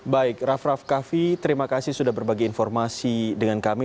baik raff raff kaffi terima kasih sudah berbagi informasi dengan kami